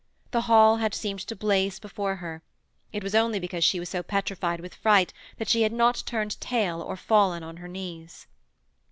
The hall had seemed to blaze before her it was only because she was so petrified with fright that she had not turned tail or fallen on her knees.